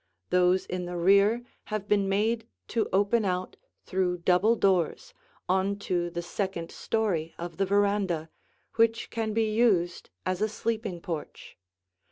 Those in the rear have been made to open out, through double doors, on to the second story of the veranda, which can be used as a sleeping porch.